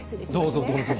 どうぞ、どうぞ。